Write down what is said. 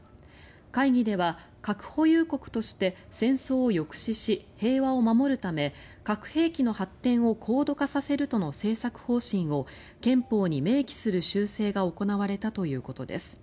会議では核保有国として戦争を抑止し、平和を守るため核兵器の発展を高度化させるとの政策方針を憲法に明記する修正が行われたということです。